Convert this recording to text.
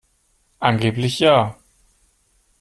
Angeblich ja.